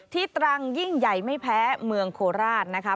ตรังยิ่งใหญ่ไม่แพ้เมืองโคราชนะคะ